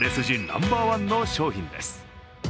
ナンバーワンの商品です。